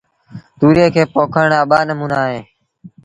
تُوريئي کي پوکڻ رآ ٻآݩموݩآ اهيݩ